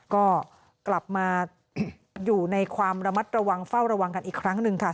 ก็กลับมาอยู่ในความระมัดระวังเฝ้าระวังกันอีกครั้งหนึ่งค่ะ